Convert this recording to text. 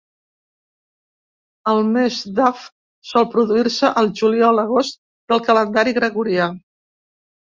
El mes d'Av sol produir-se al juliol-agost del calendari gregorià.